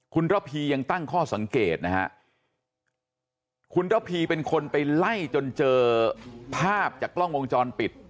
คุณระพียังตั้งข้อสังเกตนะฮะคุณระพีเป็นคนไปไล่จนเจอภาพจากกล้องวงจรปิด